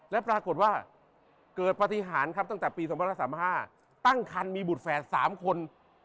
และปรากฏว่าเกิดปฏิหารครับตั้งแต่ปี๒๐๓๕ตั้งคันมีบุตรแฝด๓คน